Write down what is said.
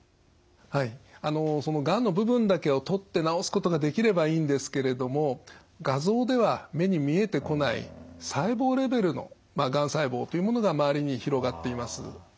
はいそのがんの部分だけを取って治すことができればいいんですけれども画像では目に見えてこない細胞レベルのがん細胞というものが周りに広がっています。